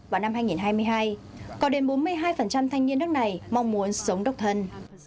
vào năm hai nghìn hai mươi hai có đến bốn mươi hai thanh niên nước này mong muốn sống độc thân